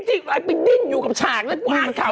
แหละไปดิ้งอยู่กับฉาก้ากาก